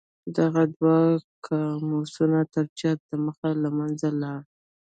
دغه دوه قاموسونه تر چاپ د مخه له منځه لاړل.